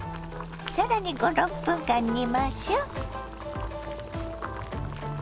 更に５６分間煮ましょ。